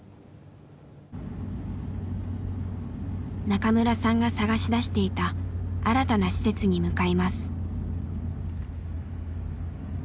中村さんが探し出していた新たな施設に向かいます。